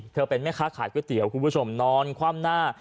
เป็นแม่ค้าขายก๋วยเตี๋ยวคุณผู้ชมนอนคว่ำหน้า